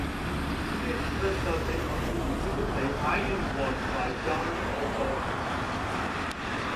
He is the subject of the musical play "I am Work" by John O'Donoghue.